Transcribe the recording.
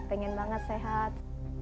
pengen banget sehat